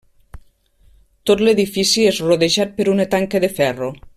Tot l'edifici és rodejat per una tanca de ferro.